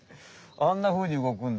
あんなふうに動くんだ。